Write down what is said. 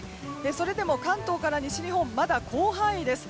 それでも関東から西日本まだ広範囲です。